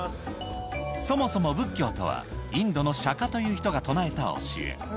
そもそも仏教とは、インドの釈迦という人が唱えた教え。